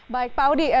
baik pak audi